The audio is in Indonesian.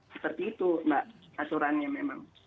seperti itu mbak aturannya memang